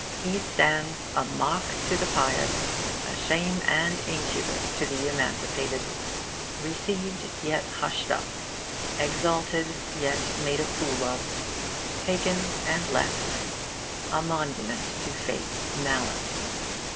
He stands a mock to the pious, a shame and incubus to the emancipated; received, yet hushed up; exalted, yet made a fool of; taken and left; a monument to Fate's malice.